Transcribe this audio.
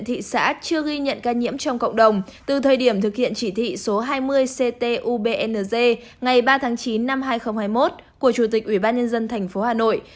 thị xã chưa ghi nhận ca nhiễm trong cộng đồng từ thời điểm thực hiện chỉ thị số hai mươi ct ubnz ngày ba tháng chín năm hai nghìn hai mươi một của chủ tịch ubnd tp hà nội